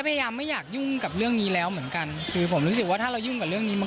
ฉะนั้นเนี่ยเรื่องอื่นหรืออะไรก็ตามเนี่ย